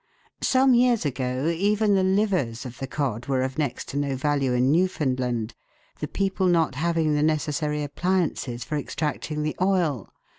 Some years ago even the livers of the cod were of next to no value in Newfoundland, the people not having the necessary appliances for extracting the oil.